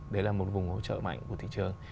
đấy là một vùng hỗ trợ mạnh của thị trường